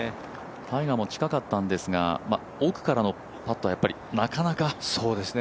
タイガーも近かったんですが奥からのパットはやっぱりなかなか。